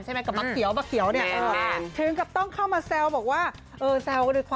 เชิงกับต้องเจอกับเซลล์